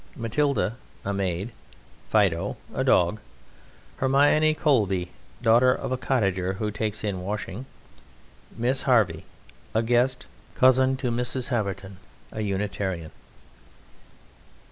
MATILDA: A Maid. FIDO: A Dog. HERMIONE COBLEY: Daughter of a cottager who takes in washing. MISS HARVEY: A guest, cousin to Mrs. Haverton, a Unitarian.